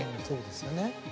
そうですよね。